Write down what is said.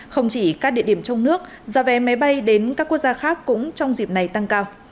không chỉ các địa điểm trong nước giá vé máy bay đến các quốc gia khác cũng trong dịp này tăng cao